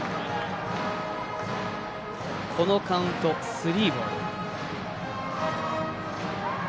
このカウント、スリーボール。